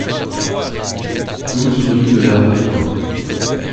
douze rue de l'Arbepin